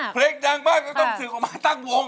เพลงดังมากก็ต้องศึกออกมาตั้งวง